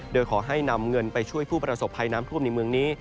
โดยขอให้นำเงินไปช่วยผู้ประสบภัยน้ำท่วมในเมืองนี้